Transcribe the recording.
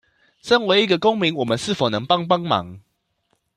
身為一個公民我們是否能幫幫忙